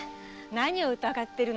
何を疑ってるの？